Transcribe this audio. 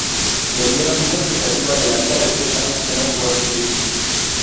Le dieron una expectativa de vida de tres años, que no llegó a cumplir.